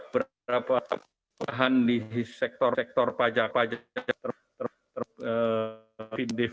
berapa perbuatan di sektor pajak terhadap vdf